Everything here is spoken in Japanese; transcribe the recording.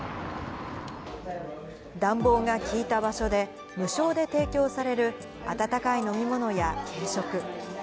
暖房が利いた場所で、無償で提供される温かい飲み物や軽食。